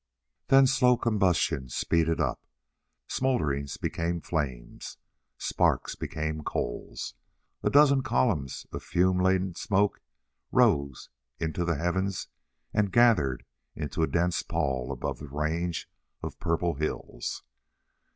Then slow combustion speeded up. Smoulderings became flames. Sparks became coals. A dozen columns of fume laden smoke rose into the heavens and gathered into a dense pall above the range of purple hills.